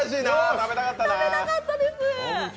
食べたかったです。